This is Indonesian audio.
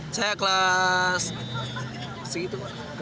saya kelas segitu pak